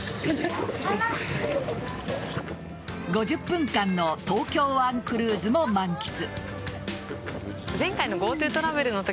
５０分間の東京湾クルーズも満喫。